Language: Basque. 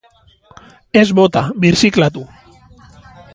Ez bota, birziklatu!